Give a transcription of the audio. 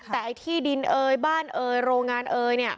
แต่ไอ้ที่ดินเอยบ้านเอ่ยโรงงานเอยเนี่ย